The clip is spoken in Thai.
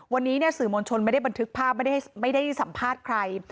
วันนี้สื่อมวลชนไม่ได้บันทึกภาพไม่ได้สัมภาษณ์ใคร